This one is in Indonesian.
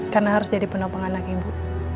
karena harus jadi penopang anak ibu